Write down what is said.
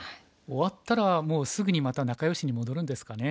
終わったらもうすぐにまた仲よしに戻るんですかね。